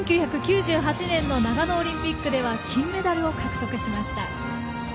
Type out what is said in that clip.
１９９８年長野オリンピックでは金メダルを獲得しました。